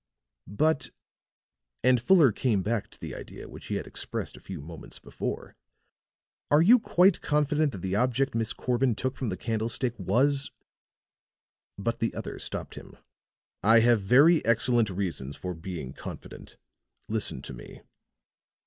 "But," and Fuller came back to the idea which he had expressed a few moments before, "are you quite confident that the object Miss Corbin took from the candlestick was " But the other stopped him. "I have very excellent reasons for being confident. Listen to me."